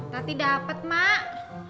nanti dapet mak